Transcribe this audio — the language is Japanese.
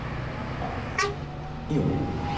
あっいいよね？